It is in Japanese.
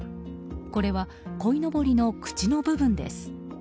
これはこいのぼりの口の部分です。